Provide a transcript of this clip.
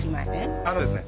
あのですね